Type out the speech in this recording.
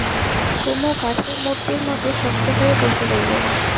কুমু কাঠের মূর্তির মতো শক্ত হয়ে বসে রইল।